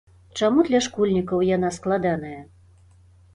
Чаму для школьнікаў яна складаная?